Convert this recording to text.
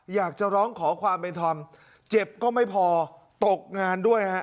อยากจะร้องขอความเป็นธรรมเจ็บก็ไม่พอตกงานด้วยฮะ